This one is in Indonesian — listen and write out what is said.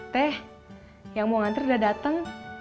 teh yang mau ngantar sudah datang